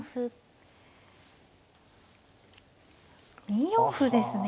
２四歩ですね。